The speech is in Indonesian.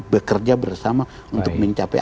bekerja bersama untuk mencapai